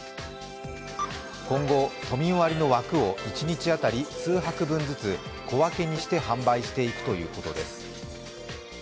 今後、都民割の枠を一日当たり数泊分ずつ小分けにして販売していくということです。